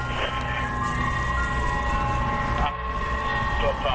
จบ